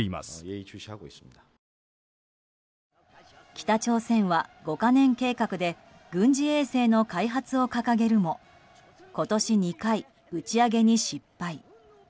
北朝鮮は５か年計画で軍事衛星の開発を掲げるも今年２回、打ち上げに失敗。